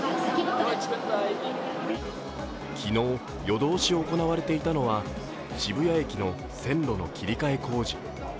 昨日、夜通し行われていたのは渋谷駅の線路の切り替え工事。